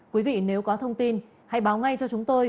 quý vị nếu có thông tin hãy báo ngay cho chúng tôi